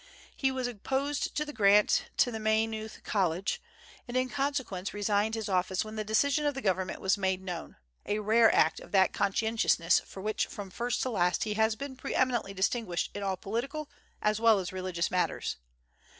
He was opposed to the grant to Maynooth College, and in consequence resigned his office when the decision of the government was made known, a rare act of that conscientiousness for which from first to last he has been pre eminently distinguished in all political as well as religious matters.